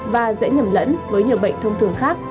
và dễ nhầm lẫn với nhiều bệnh thông thường khác